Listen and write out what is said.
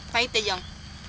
pahit deh jong